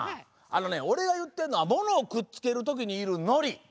あのねおれがいってるのはものをくっつけるときにいる「のり」！